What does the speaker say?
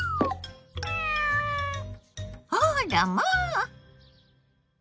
あらまあ！